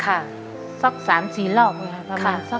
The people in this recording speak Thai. คุณยายแดงคะทำไมต้องซื้อลำโพงและเครื่องเสียง